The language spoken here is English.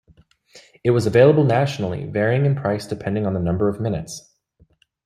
It was available nationally, varying in price depending on the number of minutes.